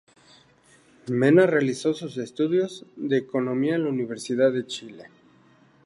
Mena realizó sus estudios de Economía en la Universidad de Chile.